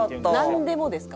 なんでもですか？